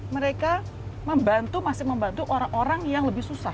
mereka membantu masih membantu orang orang yang lebih susah